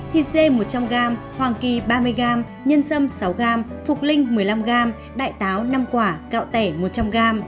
thịt dê một trăm linh g hoàng kỳ ba mươi g nhân xâm sáu g phục linh một mươi năm g đại táo năm quả gạo tẻ một trăm linh g